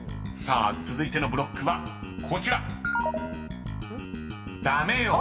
［続いてのブロックはこちら］